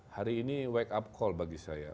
hari ini wake up call bagi saya